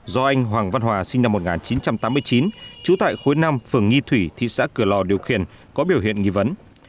do anh hoàng văn hòa sinh năm một nghìn chín trăm tám mươi chín trú tại khối năm phường nghi thủy thị xã cửa lò điều khiển có biểu hiện nghi vấn